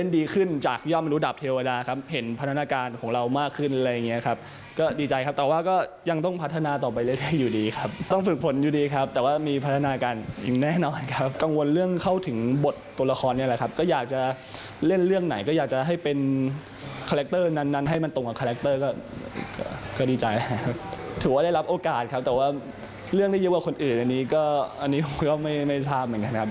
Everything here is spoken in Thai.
ถือว่าได้รับโอกาสครับแต่ว่าเรื่องได้เยอะกว่าคนอื่นอันนี้ก็ไม่ทราบเหมือนกันครับ